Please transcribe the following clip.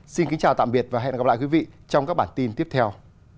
xin kính chào tạm biệt và hẹn gặp lại quý vị trong các bản tin tiếp theo